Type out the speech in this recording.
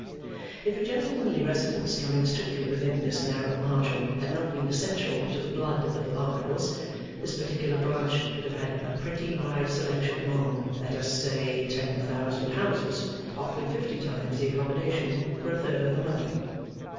If a gentlemanly residence coming strictly within this narrow margin had not been essential to the blood of the Barnacles, this particular branch would have had a pretty wide selection among, let us say, ten thousand houses, offering fifty times the accommodation for a third of the money.